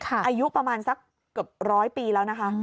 อายุประมาณสักเกือบร้อยปีแล้วนะคะ